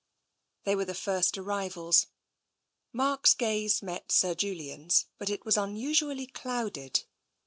They were the first arrivals. Mark's gaze met Sir Julian's, but it was unusually clouded.